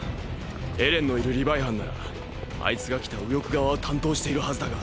エレンのいるリヴァイ班ならあいつが来た右翼側を担当しているはずだが。